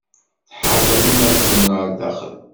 Tḥeṛṛem iman-nwen ɣer daxel.